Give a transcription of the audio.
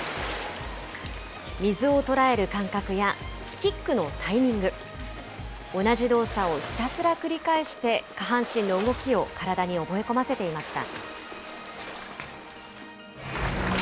水を捉える感覚や、キックのタイミング、同じ動作をひたすら繰り返して、下半身の動きを体に覚え込ませていました。